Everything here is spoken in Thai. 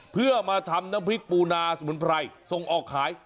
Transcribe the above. เพื่อมาทำน้ำพริกปูนาสมุนไพรส่งออกขาย